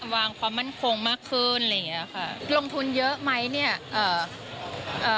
วางความมั่นคงมากขึ้นแบบนี้อ่ะค่ะลงทุนเยอะไหมเนี้ยเอ่อเอ่อ